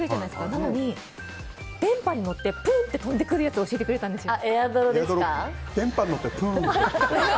なのに、電波に乗って飛んでくるやつを教えてくれたんですよ。